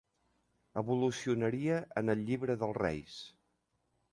Evolucionaria en el Llibre dels Reis.